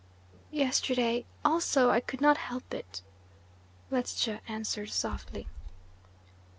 "Yesterday also I could not help it," Ledscha answered softly.